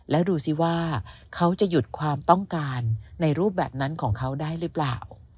แล้วดูสิว่าเขาจะหยุดความต้องการในรูปแบบนั้นของเขาได้หรือเปล่า